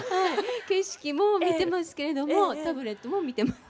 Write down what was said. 景色も見てますけれどもタブレットも見てます。